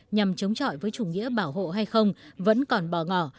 nhằm chống chọi với chủ nghĩa bảo hộ hay không vẫn còn bỏ ngỏ